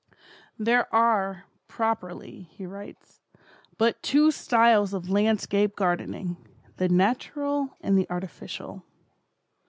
"There are, properly," he writes, "but two styles of landscape gardening, the natural and the artificial.